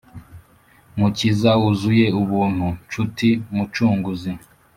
Mukiza wuzuye ubuntu nshuti mucunguzi